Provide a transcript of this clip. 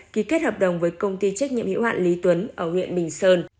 ký kết hợp đồng với công ty trách nhiệm hiệu hạn lý tuấn ở huyện bình sơn